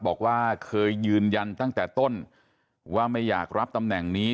บอกว่าเคยยืนยันตั้งแต่ต้นว่าไม่อยากรับตำแหน่งนี้